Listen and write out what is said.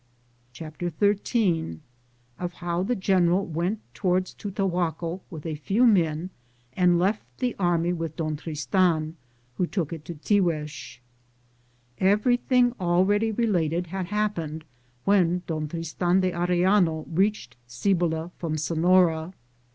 CHAPTER XH1 Of how the general went toward Tutahaco with a, few men and left the army with Don Tristan, who took it to Tiguex. Everything already related had happened when Don Tristan de Arellano reached Ci bola from Sefiora.